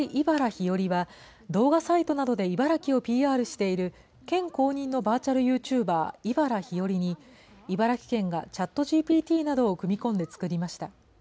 ひよりは、動画サイトなどで茨城をＰＲしている、県公認のバーチャルユーチューバー、茨ひよりに茨城県がＣｈａｔＧＰＴなどを組み込んで作りました。